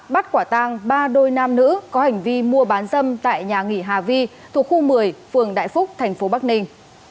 bắt quả tang ba đôi nam nữ có hành vi mua bán dâm tại nhà nghỉ hà vi thuộc khu một mươi phường đại phúc thành phố bắc ninh